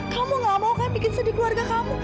kamu gak mau kan bikin sedih keluarga kamu